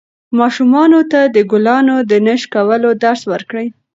ماشومانو ته د ګلانو د نه شکولو درس ورکړئ.